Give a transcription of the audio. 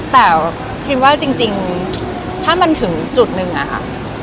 แต่พิมว่าจริงถ้ามันถึงจุดหนึ่งอะค่ะ